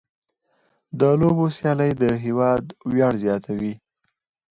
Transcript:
د لوبو سیالۍ د هېواد ویاړ زیاتوي.